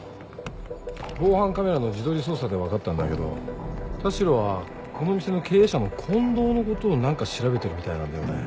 防犯カメラの地取り捜査で分かったんだけど田代はこの店の経営者の近藤のことを何か調べてるみたいなんだよね。